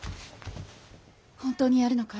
本当にやるのかい？